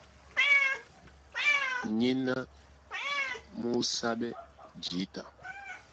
Nyéná mú óúsáɓɛ́ jǐta.